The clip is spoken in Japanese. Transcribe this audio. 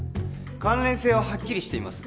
関連性はハッキリしています